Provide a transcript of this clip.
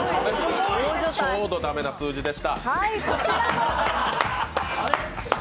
ちょうどダメな数字でした。